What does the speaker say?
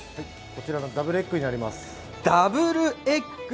こちらのダブルエッグになります。